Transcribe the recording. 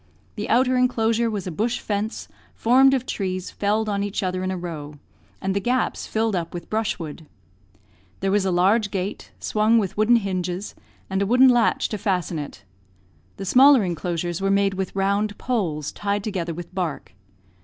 The outer enclosure was a bush fence, formed of trees felled on each other in a row, and the gaps filled up with brushwood. There was a large gate, swung with wooden hinges, and a wooden latch to fasten it; the smaller enclosures were made with round poles, tied together with bark.